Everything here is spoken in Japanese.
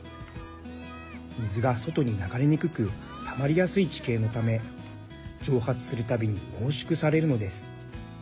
水が外に流れにくくたまりやすい地形のため蒸発するたびに濃縮されるのです。